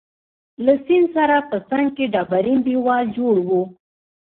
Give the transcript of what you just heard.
له سیند سره په څنګ کي ډبرین دیوال جوړ وو.